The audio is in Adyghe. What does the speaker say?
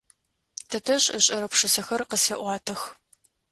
Тэтэжъ ышӏэрэ пшысэхэр къысфеӏуатэх.